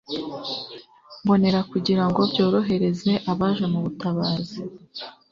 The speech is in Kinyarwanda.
mbonera kugira ngo byorohereze abaje mu butabazi